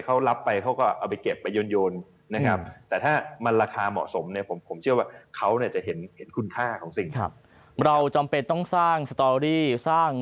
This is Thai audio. เขาเอาไปเก็บยนยนนะครับแต่ถ้ามันราคาเหมาะสมผมเชื่อว่าเขาจะเห็นคุณค่าของสิ่ง